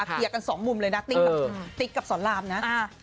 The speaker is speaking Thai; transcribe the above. เคลียร์กันสองมุมเลยนะติ๊กกับติ๊กกับสอนรามนะ